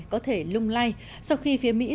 có thể lung lay sau khi phía mỹ